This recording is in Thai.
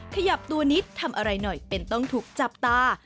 ขยับตัวนิดทำอะไรหน่อยเป็นต้องถูกจับตา